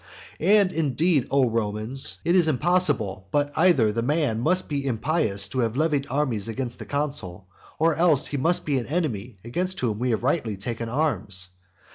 And indeed, O Romans, it is impossible but that either the men must be impious who have levied armies against the consul, or else that he must be an enemy against whom they have rightly taken arms.